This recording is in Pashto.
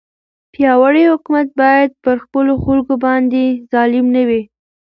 پیاوړی حکومت باید پر خپلو خلکو باندې ظالم نه وي.